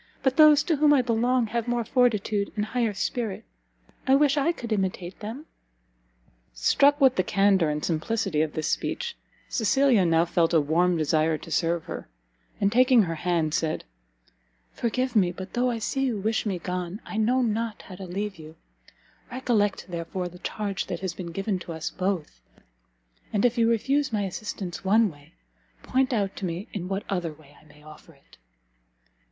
But those to whom I belong have more fortitude and higher spirit. I wish I could imitate them!" Struck with the candour and simplicity of this speech, Cecilia now felt a warm desire to serve her, and taking her hand, said, "Forgive me, but though I see you wish me gone, I know not how to leave you: recollect, therefore, the charge that has been given to us both, and if you refuse my assistance one way, point out to me in what other I may offer it."